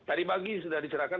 tadi pagi sudah diceritakan